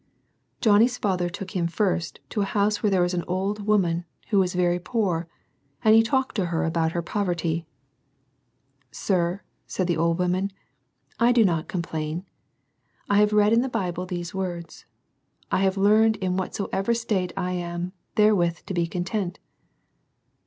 Johnny's father took him first to a house where there was an old woman who was very poor, and he talked to her about her poverty. —" Sir," said the old woman, " I do not complain. I have read in the Bible these words, * I have learned in whatsoever state I am therewith to be content.'